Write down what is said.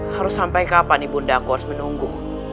harus sampai kapan ibunda aku harus menunggu